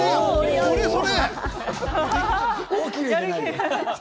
それ、それ！